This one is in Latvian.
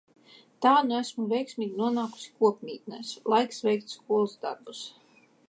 Tā nu esmu veiksmīgi nonākusi kopmītnēs. Laiks veikt skolas darbus!